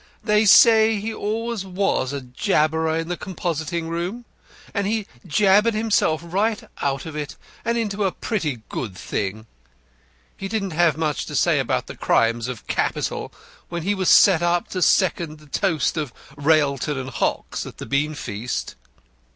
"They say he always was a jabberer in the composing room, and he has jabbered himself right out of it and into a pretty good thing. He didn't have much to say about the crimes of capital when he was set up to second the toast of 'Railton and Hockes' at the beanfeast."